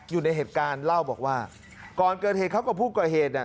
อยู่ในเหตุการณ์เล่าบอกว่าก่อนเกิดเหตุเขากับผู้ก่อเหตุ